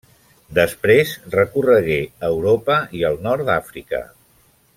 Després recorregué Europa i el nord d'Àfrica.